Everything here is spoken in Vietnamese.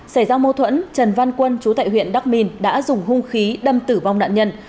xảy ra mâu thuẫn trần văn quân chú tại huyện đắc minh đã dùng hung khí đâm tử vong nạn nhân